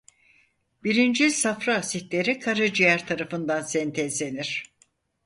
Birincil safra asitleri karaciğer tarafından sentezlenir.